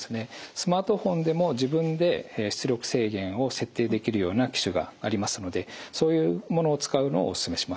スマートフォンでも自分で出力制限を設定できるような機種がありますのでそういうものを使うのをお勧めします。